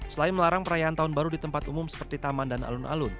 selain melarang perayaan tahun baru di tempat umum seperti taman dan alun alun